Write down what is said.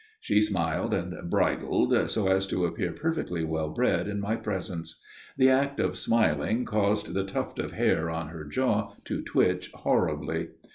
She smiled and bridled, so as to appear perfectly well bred in my presence. The act of smiling caused the tuft of hair on her jaw to twitch horribly.